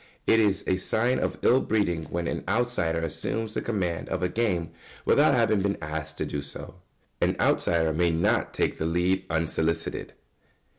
It is a sign of ill breeding when any outsider assumes the command of a game without having been asked to do so. [Sidenote: An outsider may not take the lead unsolicited.